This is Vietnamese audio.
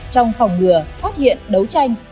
trong phòng ngừa phát hiện đấu tranh